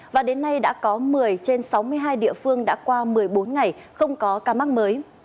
và đến nay đã có một mươi trên sáu mươi hai địa phương đã qua một mươi bốn ngày không có ca mắc mới